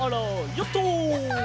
ヨット！